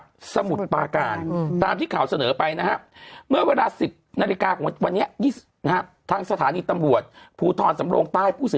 หน้าการของจังหวัดสมุดปาการ